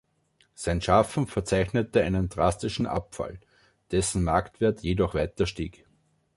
Sein Schaffen verzeichnete einen drastischen Abfall, dessen Marktwert jedoch weiter stieg.